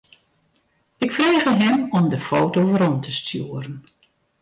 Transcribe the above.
Ik frege him om de foto werom te stjoeren.